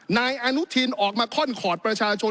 นายอนุทินออกมาค่อนคอร์ดประชาชน